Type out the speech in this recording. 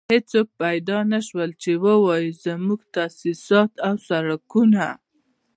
هېڅوک پيدا نه شول چې ووايي موږ تاسيسات او سړکونه.